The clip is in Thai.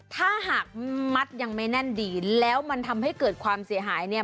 ถ้าหากมัดยังไม่แน่นดีแล้วมันทำให้เกิดความเสียหายเนี่ย